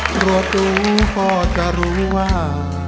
ตัวตัวก็จะรู้ว่า